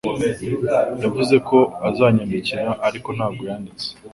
Yavuze ko azanyandikira ariko ntabwo yanditse